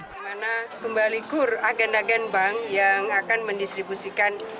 kemana pembalikur agen agen bank yang akan mendistribusikan